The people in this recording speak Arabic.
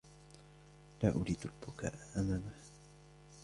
لا أريد البكاء أمامها.